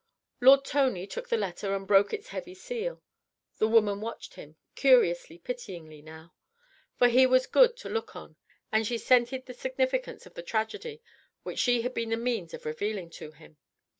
Lord Tony took the letter and broke its heavy seal. The woman watched him, curiously, pityingly now, for he was good to look on, and she scented the significance of the tragedy which she had been the means of revealing to him.